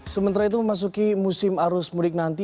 sementara itu memasuki musim arus mudik nanti